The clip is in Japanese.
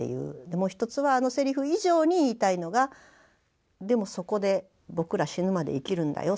もう一つはあのセリフ以上に言いたいのが「でもそこで僕ら死ぬまで生きるんだよ